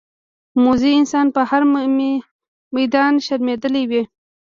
موزي انسان په هر میدان شرمېدلی وي.